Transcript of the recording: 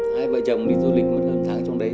hai vợ chồng đi du lịch một năm tháng trong đấy